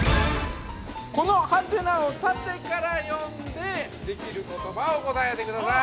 この「？」を縦から読んで、できる言葉を答えてください。